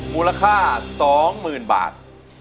มูลค่า๒๐๐๐บาท